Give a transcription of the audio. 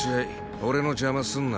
俺の邪魔すんなよ。